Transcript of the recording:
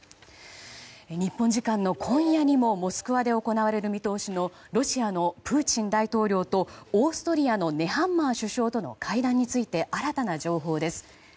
日本時間の今夜にもモスクワで行われる見通しのロシアのプーチン大統領とオーストリアのネハンマー首相との会談について新たな情報です。